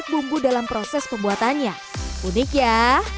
duung duung tujuan juga pahit ya